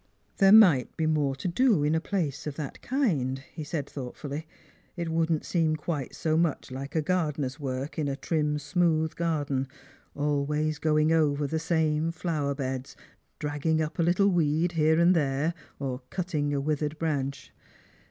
" There might be more to do in a place of that kind," he said thoughtfully. " It wouldn't seem quite so much like a gardcner'a work in a trim smooth garden, always going over the same flower beds, dragging up a little weed here and there, or cutting a withered branch.